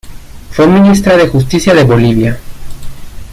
Fue ministra de justicia de Bolivia.